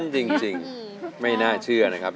จริงไม่น่าเชื่อนะครับ